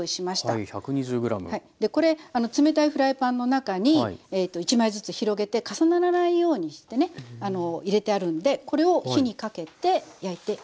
これ冷たいフライパンの中に１枚ずつ広げて重ならないようにしてね入れてあるんでこれを火にかけて焼いていきます。